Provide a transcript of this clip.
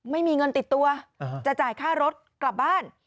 ไม่มีเงินติดตัวจะจ่ายค่ารถกลับบ้าน